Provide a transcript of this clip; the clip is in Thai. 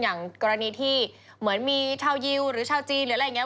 อย่างกรณีที่เหมือนมีชาวยิวหรือชาวจีนหรืออะไรอย่างนี้